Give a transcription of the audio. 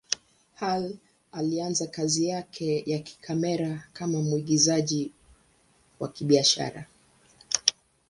Hall alianza kazi yake ya kamera kama mwigizaji wa kibiashara.